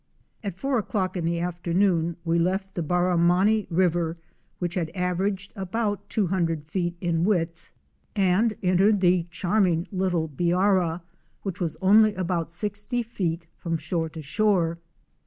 At four o'clock in the afternoon we left the Barramanni River which had averaged about two hundred feet in width, N 20 OUR SEARCH FOR A WILDERNESS. and entered the charming little Biara, which was only about sixty feet from shore to shore.